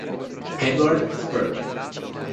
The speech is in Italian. Eduard Sperling